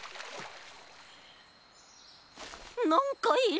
なんかいる！